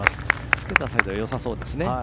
つけたサイド良さそうですね。